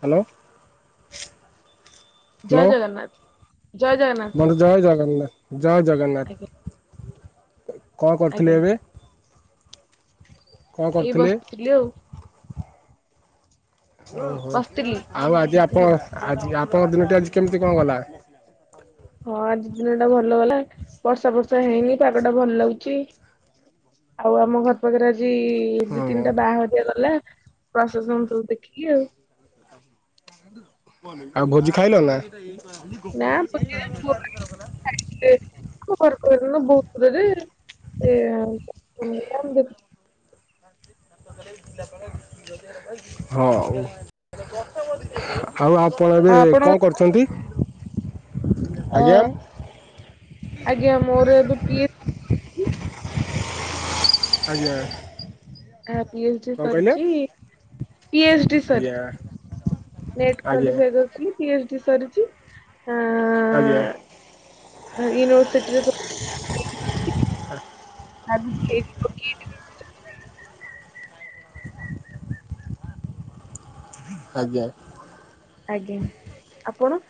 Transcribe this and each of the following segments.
Hello. ଜୟ hello Jagannath ଜୟ Jagannath sir ବନ୍ଦୁ ଜଏ ଜଗନ୍ନା ଜଏ ଆଜ୍ଞା ଜଗନ୍ନାଥ। କଁ କରୁଥିଲେ ଆଜ୍ଞା ଏବେ? କ'ଣ ଏଇ କରୁଥିଲେ ବସିଥିଲି ଆଉ। ଓହୋ ବସିଥିଲି। ଆଉ ଆଜି ଆପଣ ଆଜି ଆପଣଙ୍କ ଦିନଟି ଆଜି କେମିତି କଣ ଗଲା? ହଁ ଆଜି ଦିନ ଟା ଭଲ ଗଲା ବର୍ଷା ଫର୍ଷା ହେଇନି ପାଗ ଟା ଭଲ ଲାଗୁଛି। ଆଉ ଆମ ଘର ପାଖରେ ଆଜି ଏଇ ଦି ହଁ ତିନିଟା ବାହାଘରିଆ ଗଲା ପ୍ରଶସନ ସବୁ ଦେଖିକି ଆଉ। ଆଉ ଭୋଜି ଖାଇଲ ନା? ଖାଇଥିଲେ ଆମ ଘରକୁ ବହୁତ ଦୂରରେ ଏ। ଆମେ ଦେଖୁଛୁ। ହଁ ଆଉ ଆଉ ଆପ ଆପଣ ଏବେ ଆଉ ଆପଣ କଣ କରିଛନ୍ତି? ଅ ଆଜ୍ଞା ମୋର ଏବେ ପିଏ ଆଜ୍ଞା। ଆ ପି ଏଚଡି କ'ଣ କହିଲେ ସରିଛି। ପିଏଚଡି ଆଜ୍ଞା ସାରିଚି ନେଟ ଆଜ୍ଞା କ୍ଵଲିଫାଇ କର ପି ଏଚଡି ସରିଛି ଆ ହାଲୋ। ୟୁନିଭର୍ ସିଟି ରେ ତୋ ଆଗକୁ ଏଇଠି ପକେଇଦେବି। [inaudible] ଆଜ୍ଞା। ଆଜ୍ଞା, ଆପଣ?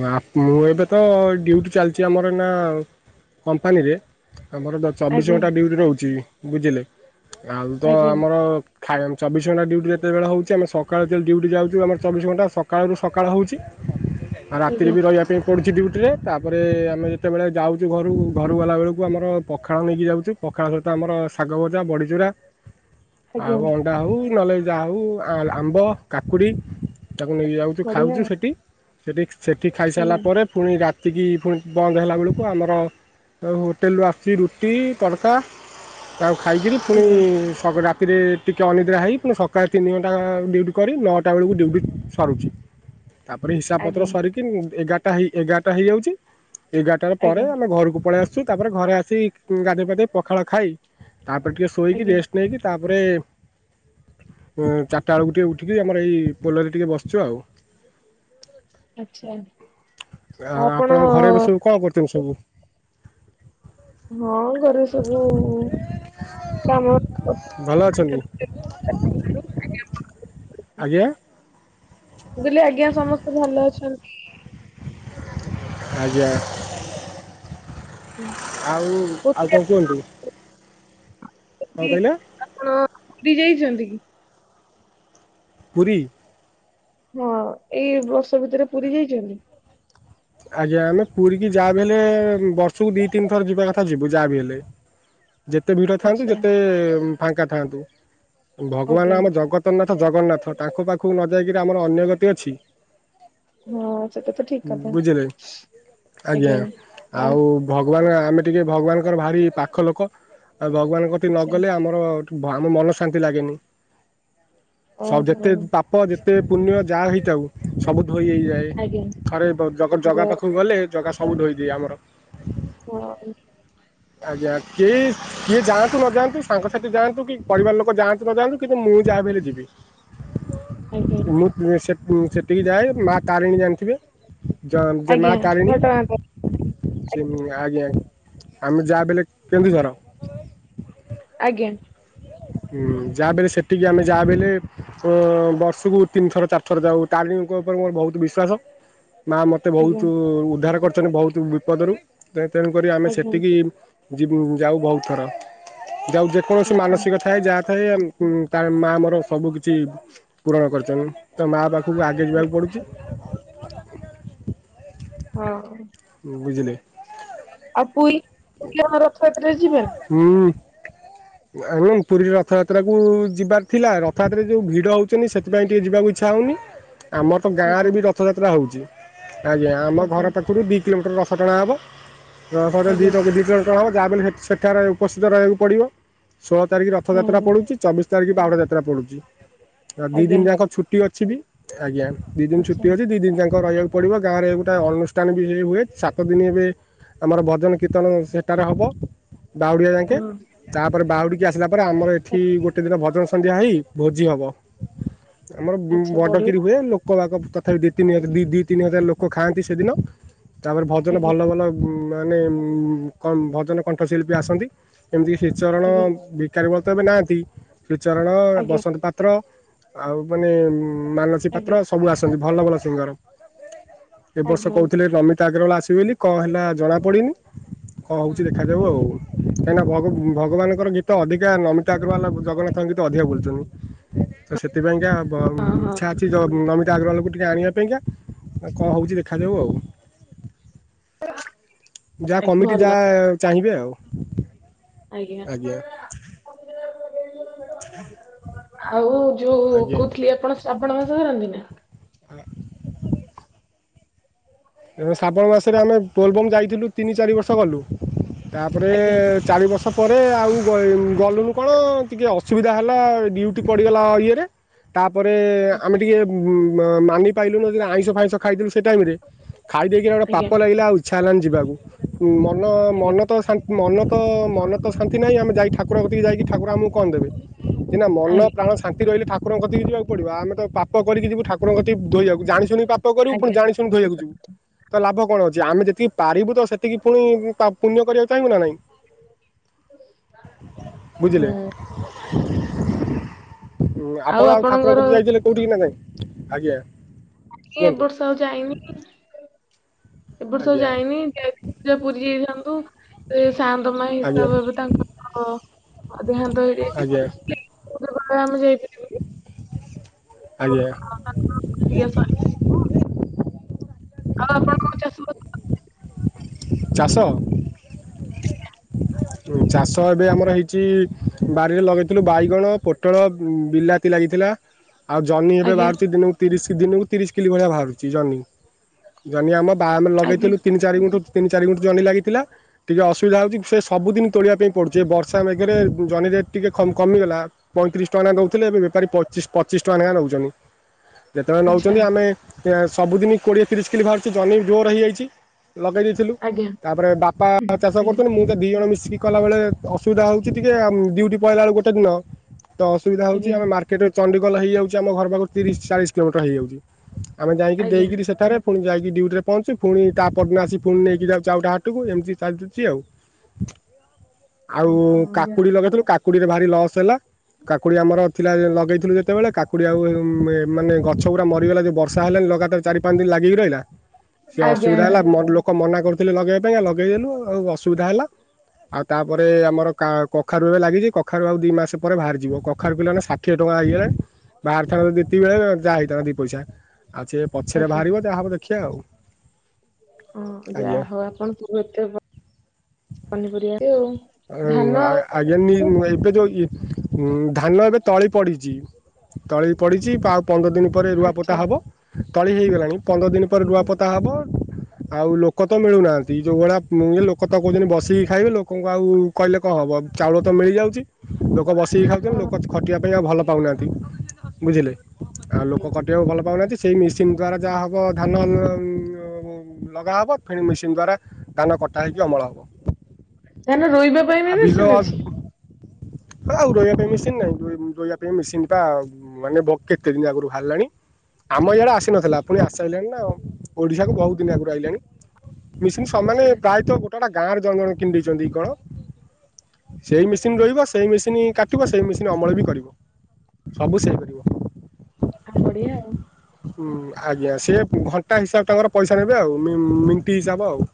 ନାଁ ମୁଁ ଏବେ ତ ଡିୟୁଟି ଚାଲିଛି ଆମର ଏନା ଆଉ। କମ୍ପାନୀ ରେ ଆମର ଦ ଚବିଶ୍ ଆଜ୍ଞା ଘଣ୍ଟା ଡିୟୁଟି ରୋହୁଛି ବୁଝିଲେ। ଆଉ ତ ଆଜ୍ଞା ଆମର ଖୟାମ୍ ଚବିଶ୍ ଘଣ୍ଟା ଡିୟୁଟି ଯେତବେଳେ ହଉଚି ଆମେ ସକାଳେ ଜେତେଲେ ଡିଉଟି ଜାଉଚୁ ଆମର ଚବିଶ ଘଣ୍ଟା ସକାଳରୁ ସକାଳ ହଉଚି। ଆ ରାତିରେ ଆଜ୍ଞା ବି ରହିବା ପାଇଁ ପଡୁଚି ଡିୟୁଟି ରେ ତାପରେ ଆମେ ଯେତେବେଳେ ଯାଉଛୁ ଘରକୁ ଘରକୁ ଗଲାବେଳକୁ ଆମର ପଖାଳ ନେଇକି ଯାଉଛୁ। ପଖାଳ ସହିତ ଆମର ସାଗ ଭଜା, ବଢ଼ି ଚୁରା। ଆଉ ଆଜ୍ଞା ଅଣ୍ଡା ହଉ ନଲେ ଯାଉ ହଉ ଆ ଆମ୍ୱ, କାକୁଡି ତାକୁ ନେଇକି ଯାଉ। ତୁ ବଢିଆ ଖାଉଛୁ ଆଉ ସେଠି। ସେଠି ସେଠି ଖାଇସାରିଲା ଆଜ୍ଞା ପରେ ପୁଣି ରାତିକି ପୁଣି ବନ୍ଦ୍ ହେଲା ବେଳକୁ ଆମର ଆଉ ହୋଟେଲ୍ ରୁ ଆସୁଚି ରୁଟି, ତଡକା ତାକୁ ଖାଇକିରି ପୁଣି ଆଜ୍ଞା ଅଘ ରାତିରେ ଟିକେ ଅନିଦ୍ରା ହେଇ ପୁଣି ସକାଳେ ତିନି ଘଣ୍ଟା ଡିଉଟି କରୀ ନଅଟା ବେଳକୁ ଡିଉଟି ସରୁଚି। ତା ପରେ ହିଶା ଆଜ୍ଞା ସରିକି ଏଗାରଟା ହେଇ ଏଗାରଟା ହେଇଯାଉଛି। ଏଗାରଟା ପରେ ଆଜ୍ଞା ଆମେ ଘରକୁ ପଳେଇ ଆସୁ। ସୁ ତାପରେ ଘରେ ଆସି ଗାଧୋଇ ପାଧୋଇ ପଖାଳ ଖାଇ ତାପରେ ଟିକେ ସୋଇକି ଆଜ୍ଞା ରେଷ୍ଟ ନେଇକି ତାପରେ ଉଁ ଚାଟା ବେଳକୁ ଟିକେ ଉଠିକି ଆମର ଏଇ ପୋଲ ରେ ଟିକେ ବସିଚୁ ଆଉ। ଆଚ୍ଛା ଆ ଆପଣ ଆପଣଙ୍କ ଘରେ ଏବେ ସବୁ କଣ କରୁଛନ୍ତି ସବୁ? ହଁ ଘରେ ସବୁ କାମ ମୁଁ ଭଲ ଅଛନ୍ତି ଆଜ୍ଞା? ମୁ କଲି ଆଜ୍ଞା ସମସ୍ତେ ଭଲ ଅଛନ୍ତି। ଆଜ୍ଞା ଆଉ ଆଉ କହୁଥିଲି କଣ ଆପଣ କୁହନ୍ତୁ? କ'ଣ [unintelligible] କହିଲେ ଆପଣ ପୁରୀ ଯାଇଛନ୍ତି କି? ପୁରୀ? ହଁ ଏଇ ବର୍ଷ ଭିତରେ ପୁରୀ ଯାଇଛନ୍ତି? ଆଜ୍ଞା ଆମେ ପୁରୀ କି ଯାହାବି ହେଲେ ବର୍ଷକୁ ଦି ତିନିଥର ଯିବା କଥା ଯିବୁ ଯା ବିି ହେଲେ। ଯେତେ ଭିଡ଼ ଥାନ୍ତୁ ଆଚ୍ଛା ଯେତେ ଫାଙ୍କା ଥାଆନ୍ତୁ ଆଜ୍ଞା ଭଗବାନ ଆମ ଜଗତ ଜନାଥ ଜଗନ୍ନାଥ ତାଙ୍କ ପାଖକୁ ନ ଯାଇକିରି ଆମର ଅନ୍ୟଗତି ଅଛି। ହଁ ସେଟା ତ ଠିକ। କଥା ବୁଝିଲେ ଆଜ୍ଞା। ଆଉ ଭଗବାନ ଆମେ ଟିକେ ଭଗବାନଙ୍କର ଭାରି ପାଖ ଲୋକ ଆଉ ଭଗବାନଙ୍କ କତିକି ଆଚ୍ଛା ନଗଲେ ଆମ ଆମ ମନ ଶାନ୍ତି ଲାଗେନି ସ ଓହୋ ଯେତେ ପାପ ପାପ ଯେତେ ପୁଣ୍ୟ ଯାହା ହେଇଥାଉ ସବୁ ଧୋଇ ହେଇଯାଏ ଆଜ୍ଞା ଥରେ ଜଗା ଯା ପାଖକୁ ଗଲେ ଜଗା ସବୁ ଧୋଇ ଦିଏ ଆମର। [unintelligible] ଆଜ୍ଞା କିଶ୍ କିଏ ଯାଆନ୍ତୁ ନ ଯାଆନ୍ତୁ ସାଙ୍ଗସାଥି ଯାଆନ୍ତୁ କି ପରିବାର ଲୋକ ଯାଆନ୍ତୁ ନ ଯାଆନ୍ତୁ କିନ୍ତୁ ମୁଁ ଯାହାଭି ହେଲେ ଯିବି। ଆଜ୍ଞା। ମୁଁ ସେଠିକି ଯାଏ ମା ତାରିଣୀ ଜାଣିଥିବେ ଜୟ-ଜୟ ମା ଆଜ୍ଞା ତାରିଣୀ। ଘଟଗାଁ କେନ୍ଦୁଝର। ଆଜ୍ଞା। ଯାହା ବି ହେଲେ ସେଠିକି ତାହାହେଲେ ଓ ବର୍ଷକୁ ତାରିଣୀଙ୍କ ଉପରେ ବହୁତ ବିଶ୍ବାସ ମା ମତେ ଆଜ୍ଞା ବହୁତ୍ ଉଦ୍ଧାର କରିଛନ୍ତି ବହୁତ୍ ବିପଦରୁ ଆଜ୍ଞା ଯିବୁ ଯାଉ ବହୁତ୍ ଥର ଯାଉ ଯେ କୌଣସି ମାନ ଆଚ୍ଛା ଥାଏ ଯାହା ଥାଏ ମା ମୋର ସବୁ କିଛି ପୂରଣ କରିଛନ୍ତି। ତ ମା ପାଖକୁ ଆଗେ ଯିବାକୁ ପଡୁଛି। ହଁ। ଉଁ ବୁଝିଲେ? ଆଉ ପୁରୀ କଣ ରଥଯାତ୍ରରେ ଯିବେ ନା? ହୁଁ। ଆ ପୁରୀରେ ରଥଯାତ୍ରାକୁ ଯିବାର ଥିଲା ରଥଯାତ୍ରାରେ ଯେଉଁ ଭିଡ଼ ହେଉଛନ୍ତି ସେଥିପାଇଁ ଟିକେ ଯିବାକୁ ଇଚ୍ଛା ହେଉନି। ଆମର ତ ଗାଁ ଆଜ୍ଞା ରେ ବି ରଥଯାତ୍ରା ହଉଛି ଆଜ୍ଞା ଆମ ଆଜ୍ଞା ଘର ପାଖରୁ କିଲୋମିଟର ଦଶ ଟଙ୍କା ହେବ ଦଶଟରେ ଦିଇ ଆଜ୍ଞା ଦବ ଯାହା ସେଠାରେ ଉପସ୍ଥିତ ରହକୁ ପଡିବ ଷୋହଳ ତାରିଖ ରଥଯାତ୍ରା ହଁ ପଡୁଛି ଚବିଶ ତାରିଖି ବାହୁଡା ଯାତ୍ରା ପଡୁଛି ଆଉ ଦି ଆଜ୍ଞା ଦିନ ଯାକ ଛୁଟି ଅଛି ବି ଆଜ୍ଞା। ଦଇ ଦିନ ଆଚ୍ଛା ଛୁଟି ଅଛି ଦୁଇ ଦିନ ଯାକ ପଡ଼ିବ ଗାଁରେ ଗୋଟେ ଅନୁଷ୍ଠାନ ବି ହୁଏ ସାତ ଦିନ ଏବେ ଆମର ଭଜନ କୀର୍ତ୍ତନ ସେଠାରେ ହେବ ଦାଉଡ଼ିଆ ହଁ ଯାକେ। ତାପରେ ବାହୁଡ଼ିକି ଆସିଲା ପରେ ଆମର ଏଠି ଗୋଟେ ଦିନ ଭଜନ ସନ୍ଧ୍ୟା ହେଇ ଭୋଜି ହବ। ଆମର ଆଚ୍ଛା ବଡ କିିରି ବଢିଆ ହୁଏ ଲୋକଙ୍କ ତଥାପି ଦି ତିନି ହଜାର ଦି ଦି ତିନି ହଜାର ଲୋକ ଖାଆନ୍ତି ସେଦିନ ତାପରେ ଭଜନ ଆଜ୍ଞା ଭଲ ଭଲ ମାନେ ଭଜନ କଣ୍ଠ ଶିଳ୍ପୀ ଆସନ୍ତି। ଏମିତି ଶ୍ରୀ ଚରଣ ଆଜ୍ଞା ବିକାରୀ ବଳତ ଏବେ ନାହାନ୍ତି ଶ୍ରୀ ଚରଣ ଆଜ୍ଞା ବସନ୍ତ ପାତ [unintelligible] ଆଜ୍ଞା ସବୁ ଆସନ୍ତି ଭଲ ଭଲ ସିଙ୍ଗର ଏ ବର୍ଷ ଆଜ୍ଞା କହୁଥିଲେ ରମିତ ଅଗ୍ରୱାଲ ଆସିବେ ବୋଲି କଣ ହେଲା ଜଣାପଡ଼ିନି କଣ ହେଉଛି ଦେଖାଯାଉ ଆଉ ଆଜ୍ଞା କାହିଁକ ନା ଭଗବାନଙ୍କର ଗୀତ ଅଧିକା ନମିତା ଅଗ୍ରୱାଲ ଆଉ ଜଗନ୍ନାଥଙ୍କ ଗୀତ ଅଧିକା ବୁଲୁଛନ୍ତି। ତ ସେଥିପାଇଁକା ହଁ ହଁ ଇଚ୍ଛା ଅଛି ଜଗ୍ରହଲକୁ ଟିକି ଆଣିବା ପାଇଁକା କଣ ହେଉଛି ଦେଖାଯାଉ ଆଉ? [inaudible] ଯାହା ଆଜ୍ଞା, କମିଟି ଭଲ ଯାହା ଚାହିଁବେ ଆଉ। ଆଜ୍ଞା। ଆଉ ଯୋଉ ଆଜ୍ଞା କହୁଥିଲି ଆପଣ ଆପଣଙ୍କ ସହରନ୍ତି ନା? ଆମେ ଶ୍ରାବଣ ମାସରେ ଆମେ ପୋଲଭଙ୍ଗ ଯାଇଥିଲୁ ତିନି ଚାରି ବର୍ଷ ଗଲୁ ତାପରେ ଆଜ୍ଞା ଚାରି ବର୍ଷ ତାପରେ ଆଉ ଗଲୁନୁ କଣ ଟିକେ ଅସୁବିଧା ହେଲା। ଡ୍ୟୁଟି ପଡ଼ିଗଲା ଇଏରେ। ତାପରେ, ଆମେ ଆଚ୍ଛା ଟିକେ ମାନି ପାଇଲୁନୁ ଆଇଁଷ ଫାଇଁଷ ଖାଇଦଲୁ ସେ ଟାଇମ ରେ। ଖାଇ ଦେଇକିରି ଗୋଟେ ଆଜ୍ଞା ପାପ ଲାଗିଲା ଆଉ ଇଚ୍ଛା ହେଲାନି ଯିବାକୁ ମନ ଆଜ୍ଞା ମନ ତ ମନ ତ ମନ ତ ଶାନ୍ତି ନାହିଁ ଆମେ ଯାଇ ଠାକୁର କତିକି ଯାଇକି ଠାକୁର ଆମକୁ କଣ ଦେବେ, ସିନା ମନ ଆଜ୍ଞା ପ୍ରାଣ ଶାନ୍ତି ରହିଲେ ଠାକୁରଙ୍କ କତିକି ଯିବାକୁ ପଡିବ ଆମେ ତପ ପାପ କରିକି ଯିବୁ ଠାକୁରଙ୍କକତିକି ଧୋଇକୁ, ଜାଣିୁିକିପ ଆଜ୍ଞା କରିବୁଣି ଶୁ ଠିକ୍ ଧୋଇଆକୁ ଯିବୁ। କଥା। ତ ଲାଭ କଣ ଅଛି ଆମେ ଯେତିକି ପାରିବୁ ତ ସେ [inaudible] ପୁଣି ପୁଣ୍ୟ କରିବାକୁ ଚାହିଁବୁ ନା ନାଇଁ। ହୁଁ ବୁଝିଲେ। [unintelligible] ଆପଣ ଆଉ ଠାକୁରଙ୍କ କତିକୁ ଯାଇଥିଲେ କୋଉଠି କି ନାଇଁ। ଆଜ୍ଞା। କି ଏବ କୁହନ୍ତୁ ବର୍ଷ ଆଉ ଯାଇନି। ଏବର୍ଷ ଆଜ୍ଞା ଯାଇନି ଯାଇିଥିଲେ ଯାହା ପୁରୀ ଯାଇଥାଆନ୍ତୁ। ସେ ଶାନ୍ତ ମା ଆଜ୍ଞା ହିସାବ ହେବେ ତାଙ୍କର ଦେହାନ୍ତ ହେଇଯାଇ ତ [inaudible] ଆଜ୍ଞା [inaudible] ଯାଇପାରିବୁନି। ଆଜ୍ଞା। [inaudible] ଆଉ ଆପଣ କଣ ଚାଷ ଚାଷ। ଚାଷ ଏବେ ଆମର ହେଇଛି ବାରିରେ ଲଗାଇଥିଲୁ ବାଇଗଣ ପୋଟଳ ବିଲାତି ଲାଗିଥିଲା। ଆଉ ଜହ୍ନି ଏବେ ଆଜ୍ଞା ବାହାରୁଛି ଦିନକୁ ତିରିଶ ଦିନକୁ ତିରିଶ କିଲୋ ଭଳିଆ ବାହାରୁଛି ଜହ୍ନି ଜହ୍ନି ଆମ ବାମ ରେ ଆଜ୍ଞା ଲଗେଇଥିଲୁ। ତିନି ଚାରିଗୁଣ୍ଟୁ ତିିନି ଚାରିଗୁଣ୍ଟୁ ଜହ୍ନି ଲାଗିଥିଲା ଟିକେ ଅସୁବିଧା ହଉଛି ସେ ସବୁିନ ତୋଳିବା ପାଇଁ। ପଡ଼ୁଛି ବର୍ଷା ମେଗରେ ଜହନି ରେଟ୍ ଟିକେ କମିଗଲା। ପଇଁତିରିଶ ଟଙ୍କା ଲେଖେ ଦେଉଥିଲେ, ଏବେ ବେପାରୀ ପଚିଶ ପଚିଶ ଟଙ୍କା ଲେଖେ ନେଉଛନ୍ତି ଯେତେବେଳେ ଆଚ୍ଛା ନେଉଛନ୍ତି ଆମେ ସେ ସବୁଦିନି କୋଡିଏ ତିରିଶ କିଲି ବାହାରୁଛି ଜହ୍ନି ବି ଜୋର ହେଇଯାଇଛି। ଲଗେଇ ଦେଇଥିଲୁ ଆଜ୍ଞା ତାପରେ ବାପା ଚାଷ ହୁଁ ଆଜ୍ଞା କରୁଥିଲେ ମୁଁ ଦି ଜଣ ମିଶିକି କଲାବେଳେ ଅସୁବିଧା ହଉଛି ଟିକେ ଡିଉଟି ପଳେଇଲା ବେଳକୁ ଗୋଟ ଦିନ ତ। ଅସୁବିଧା ହଉଛି ଆଜ୍ଞା ଆମ ମାର୍କଟ ଚଣ୍ଡିଖୋଲ ହେଇଯାଉଛି ଆମ ଘର ପାଖରୁ ତିରିଶ ଚାଳିଶ କିଲୋମିଟର ହେଇଯାଉଛି। ଆମେ ଯାଇକି ଆଜ୍ଞା ଦେଇକିରି ସେଠାରେ ପୁଣି ଯାଇକି ଡିୁଟିରେ ପହଞ୍ଚୁ ପୁଣି ତାପର ଦିନ ଆସିକି ପୁଣି ନେଇକି ଯାଉଛି ଆଉ ଗୋଟେ ହାଟକୁ ଏମିତି ଚାଲିୁଛି ଆଉ। ଆଉ ଓହୋ ଯାହା କାକୁଡି ଲଗେଇଥିଲୁ କାକୁଡିରେ ଭାରି ଲସ୍ ହେଲା। କାକୁଡି ଆମର ଥିଲା ଲଗେଇଥିଲୁ ଯେତେବେଳେ କାକୁଡି ଆଉ ମାନେ ଗଛ ପୁରା ମରିଗଲା ଯଉ ବର୍ଷା ହେଲାଣି ଲଗାତାର। ଚାରି ପାଞ୍ଚ ଦିନ ଲାଗିକି ରହିଲା ଆଜ୍ଞା ଅସୁବିଧା ଆଜ୍ଞା ହେଲା ମ କ ମନା କରୁଥିଲେ ଲଗେଇବା ପାଇଁ ଆଉ ଲଗେଇ ଦେଲୁ ଆଉ ଅସୁବିଧା ହେଲା। ଆଉ ତାପରେ ଆମର କଖାରୁ ଏବେ ଲାଗିଛି କଖାରୁ ଆଉ ଦି ମାସ ପରେ ବାହାରିଯିବ କଖାରୁ କି ଲାେ ସାତ ଷାଠିଏ ଟଙ୍କା ହେଇଗଲାଣି ବାହାରି ଥାନ ଯଦି ଏତିକି ବେଳେ ଯାହା ହୋଇଥାନ୍ତା ଦିଇ ପଇସା ଆଉ ସେଏ ପଛରେ ଆଜ୍ଞା ବାହାରିବ ଯାହାହବ ଦେଖିବା ଆଉ। ହଁ ଆଜ୍ଞା ଯାହଉ ଆପଣ ସବୁ ଏତେ ପନିପରିବା ଆଉ। [inaudible] ଧାନ ଆଉ କାଟା ଏବେ ଯୋଉ ଧାନ ଏବେ ତଳି ପଡିଛି। ତଳି ପଡିଛି ଆଉ ପନ୍ଦର ଦିନ ପରେ ରୁଆ ପୋତା ଆଚ୍ଛା ହବ ତଳି ହେଇଗଲାଣି ପନ୍ଦର ଦିନ ପରେ ରୁଆ ପୋତା ହବ। ପୋତା ହବ ଆଉ ଲୋକ ତ ମିଳୁନାହାନ୍ତି ଯୋଉ ଭଳିଆ ଇଏ ଲୋକ ତ କୋଉଛନ୍ତି ବସିକି ଖାଇବେ ଲୋକ ତାଙ୍କୁ ଆଉ କହିଲେ କଣ ହେବ ଚାଉଳ ତ ମିଳିଯାଉଛି ଲୋକ ବସିକି ଖାଉଛନ୍ତି ଲୋକ ଖଟିବା ପାଇଁ ଆଉ ଭଲ ପାଉନାହାନ୍ତି ବୁଝିଲେ ଆଉ ଲୋକ ଖଟିବାକୁ ଭଲ ପାଉନାହାନ୍ତି। ସେହି ମେସିନ୍ ଦ୍ବାରା ଯାହା ହବ ଧାନ ଲଗାହବ ଫେଣି ମେସିନ୍ ଦ୍ବାରା ଧାନ କଟା ହେଇକି ଅମଳ ହବ। ଧାନ ରୋଇବା ପାଇଁ ବି ଆ ବିଲ ମେସିନ୍ ଅଛି? ଆଉ ରହିବା ପାଇଁ ମେସିନ ନାହିଁ ରହିବା ପାଇଁ ମେସିନ୍ ପା ମାନେ ବ କେତେ ଦିନ ଆଗରୁ ବାହାରିଲାଣି। ଆମ ଇଆଡେ ଆସିନଥିଲା ପୁଣି ଆସି ଆଇିଲାଣି ନା ଆଉ ଓଡିଶା କୁ ବହୁତ ଦିନ ଆଗରୁ ଆସିଲାଣି। ମିଶନ ସମାନେ ଆଚ୍ଛା ପ୍ରାୟତଃ ଗୋଟା ଗୋଟା ଗାଁ ରେ ଜଣେ ଜଣେ କିଣି ଦେଇଛନ୍ତି କଣ। ସେଇ ମେସିନ ରୋଇବ ସେଇ ମେସିନ କାଟିବ ସେଇ ମେସିନ ଅମଳ ବି କରିବ। ସବୁ ସେଇ କରିବ। ଆଃ ବଢିଆ ଆଉ। ହୁଁ ଆଜ୍ଞା ସେ ଘଣ୍ଟା ହିସାବ ତାଙ୍କର ପଇସା ନେବେ ଆଉ ମିନିଟ ହିସାବ ଆଉ।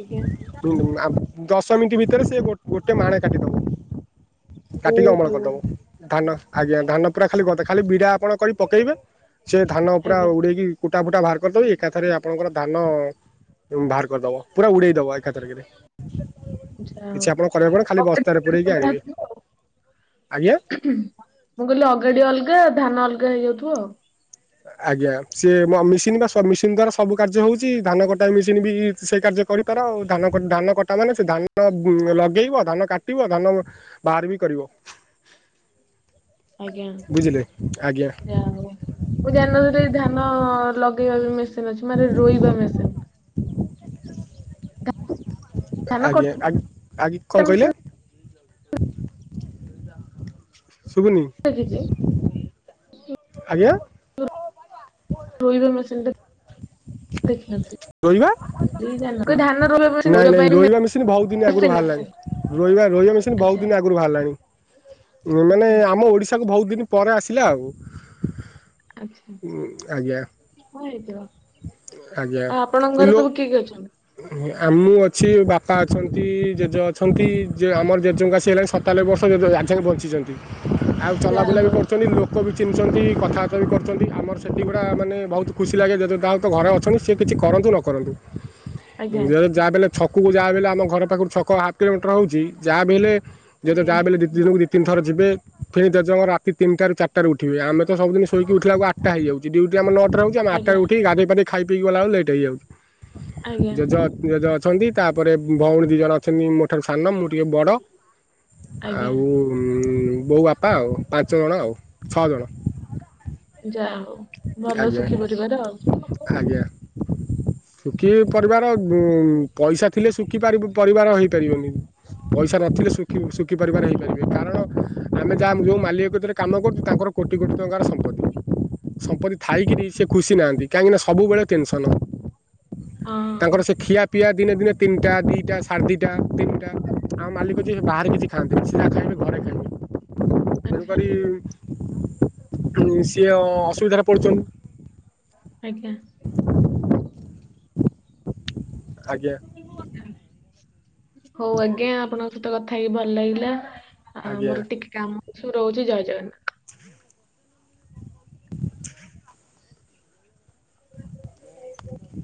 ଆଜ୍ଞା। ହୁଁ ଆ ଦଶ ମିନିଟ୍ ଭିତରେ ସେ ଗୋ ଗୋଟେ ମାଣେ କାଟିଦବ, କାଟିକି ଅମଳ ଓହୋ କରିଦବ। ଧାନ ଆଜ୍ଞା ଧାନ ପୁରା ଖାଲି ଗଦା ଖାଲି ବିଡା ଆପଣ କରି ପକେଇବେ ସେ ଧାନ ପୁରା ଆଜ୍ଞା ଉଡେଇକି କୁଟା ଫୁଟା ବାହାର କରିଦେଇ ଏକାଥରେ ଆପଣଙ୍କର ଧାନ ବାହାର କରିଦବ ପୁରା ଉଡେଇଦବ ଏକାଥରକରେ। ଯାହା ହଉ। କିଛି ଆପଣ କରିବେ କଣ ଖାଲି ଅଗାଡି ବସ୍ତାରେ ଫଗାଡି ସବୁ ପୁରେଇକି ଆଣିବେ। ବାହାରିଥିବ ଆଉ ଆଜ୍ଞା ମୁଁ କହିଲି ଅଗାଡି ଅଲଗା ଧାନ ଅଲଗା ହେଇଯାଉଥିବ ଆଉ। ଆଜ୍ଞା ସେ ମି଼ସିନ ବା ମି଼ସିନ ଦ୍ଵାରା ସବୁ କାର୍ଯ୍ୟ ହଉଛି ଧାନ କଟା ମେସିନ ବି ସେ କାର୍ଯ୍ୟ କରିପାର ଆଉ ଧ ଧାନ କଟା ମାନେ ସେ ଧାନ ଲଗେଇବ ଧାନ କାଟିବ ଧାନ ବାହାରବି କରିବ। ଆଜ୍ଞା ବୁଝିଲେ, ଆଜ୍ଞା। ମୁଁ ଜାଣିନଥିଲି ଧାନ ଲଗେଇବା ମେସିନ ଅଛି ମାନେ ରୋଇବା ମେସିନ୍। ଧାନ ଆଜ୍ଞା। ଆ ଆ କଣ କଟା କହିଲେ? ମେସିନ୍ ଶୁବୁନି। [unintelligible] ଆଜ୍ଞା ରୋଇବା ମେସିନ୍ ଟେ ଦେଖିନଥିଲି। ରହିବା। କି ଧାନ ଲୋକ ଧାନ ରୁଇ ନାଇଁ ନାଇଁ ରୋଇବ ମେସିନ୍ ବହୁତ ଦିନ ଆଗରୁ ଅଛି। ବାହାରିଲାଣି ରୋଇବା ରୋଇବା ମେସିନ ବହୁତ ଆଚ୍ଛା ଦିନ ଆଗରୁ ବାହାରିଲାଣି। ମାନେ ଆଚ୍ଛା। ଆମ ଓଡିଶାକୁ ବହୁତ ଦିନି ପରେ ଆସିଲା ଆଉ। ଆଛା ଆଜ୍ଞା କଣ ହେଇଥିବ? ଆପଣଙ୍କ ଘରେ ସବୁ କିଏ କିଏ ଅଛନ୍ତି? ଆ ମୁଁ ଅଛି ବାପା ଅଛନ୍ତି ଜେଜେ ଅଛନ୍ତି ଆମର ଜେଜେଙ୍କ ଆସି ହେଲାଣି ସତାନବେ ବର୍ଷ [unintelligible] ଆଜିଯାକେ ବଞ୍ଚିଛନ୍ତି ଆଉ ଯାହା ଚଲାବୁଲା ବି ହଉ କରୁଛନ୍ତି ଲୋ ଲୋକ ବି ଚିହ୍ନିଛନ୍ତି କଥାବାର୍ତା ବି କରୁଛନ୍ତି ଆମର ସେଠି ଗୁଡ଼ା ମାନେ ବହୁତ ଖୁସି ଲାଗେ ଜେଜେ ଯାହା ହଉ ତ ଘରେ ଅଛନ୍ତି। ସେ କିଛି କରନ୍ତୁ ନ କରନ୍ତୁ ଆଜ୍ଞା ଉଁ ଯାହାବି ହେଲେ ଛକକୁ ଯାହା ବି ହେଲେ ଆମ ଘର ପାଖରୁ ଛକ ହାଫ୍ କିଲୋମିଟର ହଉଛି ଯାହା ବି ହେଲେ ଜେଜେ ଆଜ୍ଞା ଯାହା ବି ହେଲେ ଦିନକୁ ଦି ତିିନି ଥର ଯିବେ ପୁଣି ଜେଜେଙ୍କ ରାତିି ତିନି ଟାରୁ ଚାରି ଟାରୁ ଉଠିବେ। ଆମେ ତ ସବୁଦିନ ଶୋଇକି ଉଠିଲା ବେଳକୁ ଆ ଆଟା ହେଇଯାଉଛି। ଡିଉଟି ଆମ ନଟାରେ ହଉଚି ଆମେ ଆଜ୍ଞା ଆଠଟାରୁ ଉଠି ଗାଧେଇ ପାଦେଇ ଖାଇ ପିଇ ଗଲା ବେଳକୁ ଲେଟ ହେଇଯାଉଛି। ଆଜ୍ଞା ଜେଜ ଜେଜ ଅଛନ୍ତି ତାପରେ ଭଉଣୀ ଦି ଜଣ ଅଛନ୍ତି ମୋ ଠାରୁ ସାନ ମୁଁ ଟିକେ ବଡ଼ ଆଜ୍ଞା ଆଉ ବୋଉ ବାପା ଆଉ ପାଞ୍ଚ ଜଣ ଆଉ ଛଅ ଜଣ। ଯା ହଉ ଭଲ ଆଜ୍ଞା ଶୁଖିପରିବାର ଆଉ। ଆଜ୍ଞା। ଶୁଖି ପରିବାର ଉ ପଇସା ଥିଲେ ଶୁଖି ପା ପରିବାର ହେଇପାରିବନି। ପଇସା ନଥିଲେ ଶୁଖି ଶୁଖିପାରିବାର ହେଇପାରିବେ କାରଣ ଆମେ ଯାହା ଯୋଉ ମାଲିକ କତିରେ କାମ କରୁଛୁ ତାଙ୍କର କୋଟି କୋଟି ଟଙ୍କାର ସମ୍ପତ୍ତି। ସମ୍ପତ୍ତି ଥାଇକିବି ସେ ଖୁସି ନାହାନ୍ତି କାହିଁକିନା ସବୁବେଳେ ଟେନସନ। ହଁ ତାଙ୍କର ସେ ଖିଆ ପିଆ ଦିନ ଦିନେ ତିନିଟା ଦିଇଟା ସାଢ଼େ ଦୁଇଟା ତିନିଟା ଆମ ମାଲିକ ଯିଏ ବାହାରେ କିଛି ଖାଆନ୍ତି ଚିରା ଖାଇବି ଘରେ ଖାଇବି। ତେଣୁ ଆଚ୍ଛା କରି ସିଏ ଅସୁବିଧାରେ ପଡୁଛନ୍ତି। ଆଜ୍ଞା। ଆଜ୍ଞା ହଉ ଆଜ୍ଞା ଆପଣ ତ କଥା ହେଇକି ଭଲ ଲାଗିଲା ଆ ଆଜ୍ଞା। ମୋର ଟିକେ କାମ ଅଛି ମୁଁ ରହୁଛି ଜୟ ଜଗନ୍ନାଥ। [inaudible]